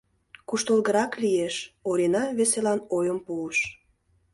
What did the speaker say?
Куштылгырак лиеш, — Орина веселан ойым пуыш.